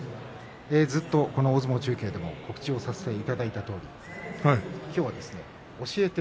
ずっと、この大相撲中継でも告知をさせていただいたとおり今日は「教えて！